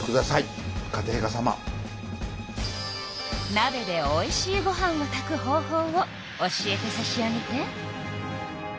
なべでおいしいご飯を炊く方法を教えてさしあげて。